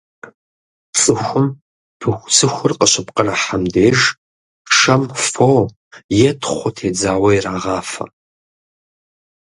ЦӀыхум пыхусыхур къыщыпкърыхьам деж шэм фо е тхъу тедзауэ ирагъафэ.